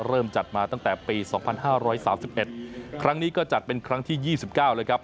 เริ่มจัดมาตั้งแต่ปี๒๕๓๑ครั้งนี้ก็จัดเป็นครั้งที่๒๙เลยครับ